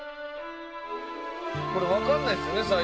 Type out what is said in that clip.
「これわかんないですよね